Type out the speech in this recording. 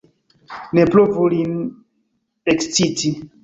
Ne provu lin eksciti!